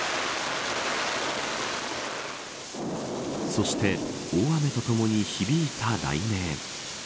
そして大雨とともに響いた雷鳴。